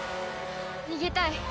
逃げたい。